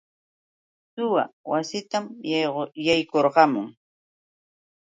Suwa wasiitan yaykurqamun.